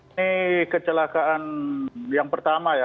ini kecelakaan yang pertama ya